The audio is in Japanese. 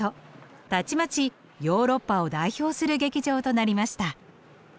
たちまちヨーロッパを代表する劇場となりました。